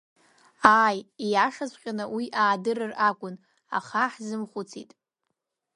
Ааи, ииашаҵәҟьаны, уи аадырыр акәын, аха ҳзымхәыцит.